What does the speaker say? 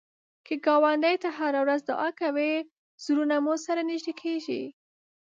که ګاونډي ته هره ورځ دعا کوې، زړونه مو سره نږدې کېږي